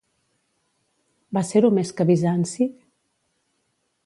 Va ser-ho més que Bizanci?